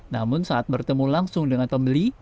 namun saat bertemu langsung dengan pembeli